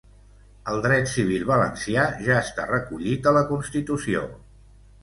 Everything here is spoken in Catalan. El dret civil valencià ja està recollit a la constitució